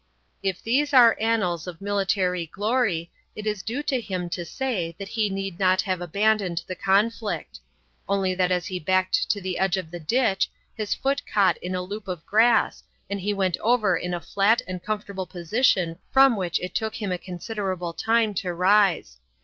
If these are annals of military glory, it is due to him to say that he need not have abandoned the conflict; only that as he backed to the edge of the ditch his foot caught in a loop of grass and he went over in a flat and comfortable position from which it took him a considerable time to rise.